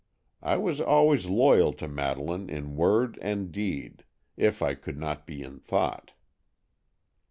I was always loyal to Madeleine in word and deed, if I could not be in thought."